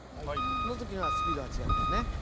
その時にはスピードが違ったよね。